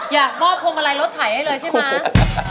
อยากมอบพวงมาลัยรถไถให้เลยใช่ไหม